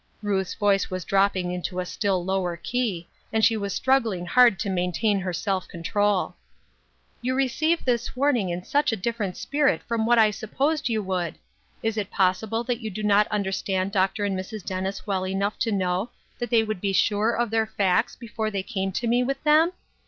Ruth's voice was dropping into a still lower key, and she was struggling hard to maintain her self control. " You receive this warning in such a different spirit from what I supposed you would ! Is it possible that you do not understand Dr. and Mrs. Dennis well enough to know that they would be sure of their facts before they came to me with them